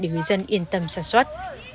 tình huy dân yên tâm sản xuất